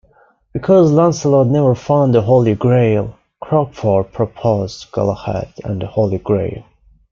Because Launcelot never found the Holy Grail, Crockford proposed "Galahad and the Holy Grail".